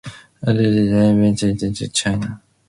Aidit went into exile in China.